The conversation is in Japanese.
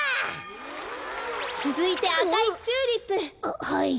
つづいてあかいチューリップ。ははい。